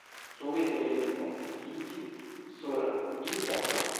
Subite li rekonsciiĝis sur iu ponto.